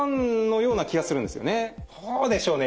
どうでしょうね？